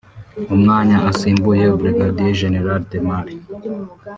umwanya asimbuyeho Brig Gen Demali